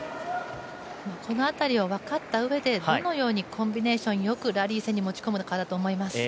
この辺りを分かったうえでどのようにコンビネーションよくラリー戦に持ち込むのかだと思います。